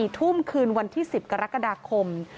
๔ทุ่มคืนวันที่๑๐กรกฎาคม